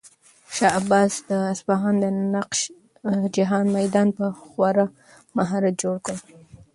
شاه عباس د اصفهان د نقش جهان میدان په خورا مهارت جوړ کړ.